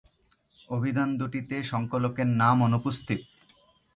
অভিধান দুটিতে সংকলকের নাম অনুপস্থিত।